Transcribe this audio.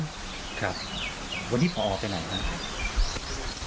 ครับวันนี้พอไปไหนครับ